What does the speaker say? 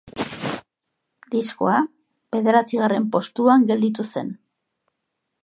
Diskoa bederatzigarren postuan gelditu zen.